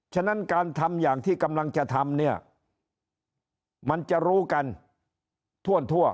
ฉะนั้นการทำอย่างที่กำลังจะทำเนี่ยมันจะรู้กันทั่ว